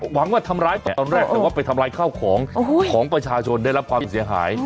หวังว่าทำร้ายแต่ตอนแรกแต่ว่าไปทำลายข้าวของของประชาชนได้รับความเสียหาย